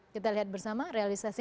kita lihat bersama realisasi